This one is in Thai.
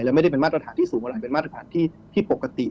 และไม่ได้เป็นมาตรฐานที่สูงอะไรเป็นมาตรฐานที่ปกติ